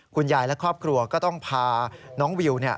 คุณยายและครอบครัวก็ต้องพาน้องวิว